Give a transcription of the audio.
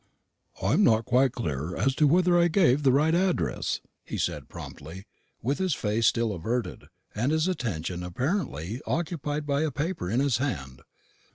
"I'm not quite clear as to whether I gave the right address," he said promptly, with his face still averted, and his attention apparently occupied by a paper in his hand.